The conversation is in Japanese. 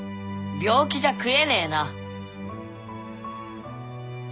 病気じゃ食えねえな。